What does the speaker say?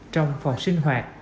trong phòng sinh hoạt